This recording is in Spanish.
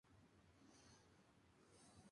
El álbum ha sido registrado en mono.